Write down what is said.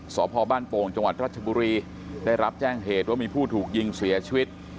สพบ้านโป่งจังหวัดรัชบุรีได้รับแจ้งเหตุว่ามีผู้ถูกยิงเสียชีวิต